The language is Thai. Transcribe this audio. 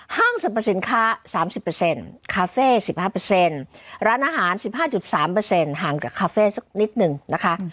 ห้างสรรพสินค้า๓๐คาเฟ่๑๕ร้านอาหาร๑๕๓ห่างกับคาเฟ่สักนิดนึงนะคะ